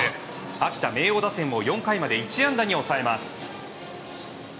秋田・明桜打線を４回まで１安打に抑えます。